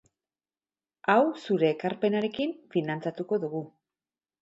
Hau zure ekarpenarekin finantzatuko dugu.